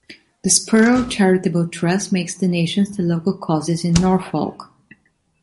The Spurrell Charitable Trust makes donations to local causes in Norfolk.